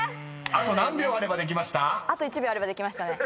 ［あと何秒あればできました？］